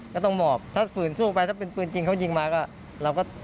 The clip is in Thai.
ก็ต้องหมอบถ้าฝืนสู้ไปถ้าเป็นปืนจริงเขายิงมาก็เราก็